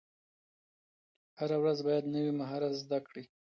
هره ورځ باید نوی مهارت زده کړئ.